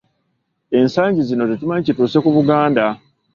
Ensangi zino tetumanyi kituuse ku Buganda.